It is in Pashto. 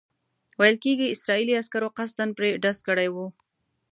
ویل کېږي اسرائیلي عسکرو قصداً پرې ډز کړی وو.